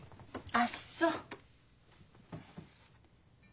あっそう。